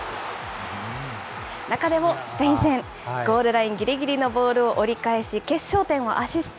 中でもスペイン戦、ゴールラインぎりぎりのボールを折り返し、決勝点をアシスト。